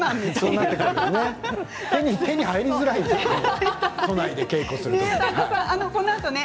手に入りづらいね。